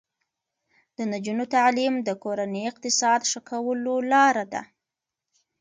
د نجونو تعلیم د کورنۍ اقتصاد ښه کولو لاره ده.